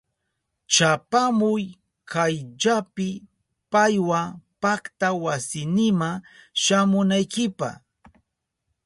Chapamuy kayllapi paywa pakta wasinima shamunaykipa.